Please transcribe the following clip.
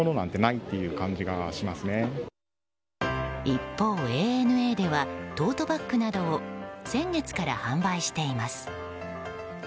一方、ＡＮＡではトートバッグなどを先月から販売しています。